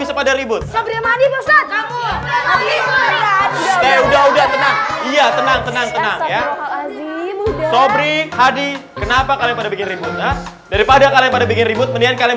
sabar ya sebentar lagi makanannya datang